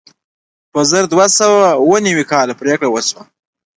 په زر دوه سوه اوه نوي کال پرېکړه وشوه.